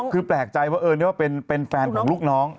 คือแปลกใจว่าเออนี่ว่าเป็นแฟนของลูกน้อง